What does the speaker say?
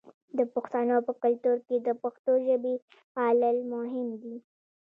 د پښتنو په کلتور کې د پښتو ژبې پالل مهم دي.